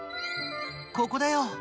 ここだよ。